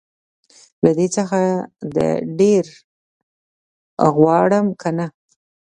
له دې څخه دي ډير غواړم که نه